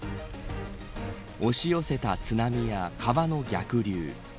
押し寄せた津波や川の逆流。